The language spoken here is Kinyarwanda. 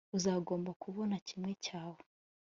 uzagomba kubona kimwe cyawe